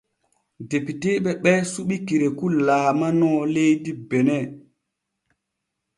Depiteeɓe ɓe suɓi Kerekou laalano leydi Bene.